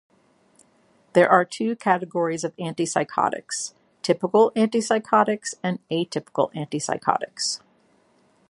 There are two categories of antipsychotics: typical antipsychotics and atypical antipsychotics.